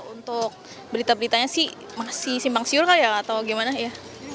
untuk berita beritanya sih masih simpang siur kah ya atau gimana ya